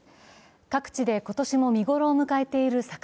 各地で今年も見頃を迎えている桜。